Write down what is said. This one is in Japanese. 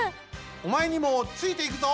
おまえにもついていくぞ！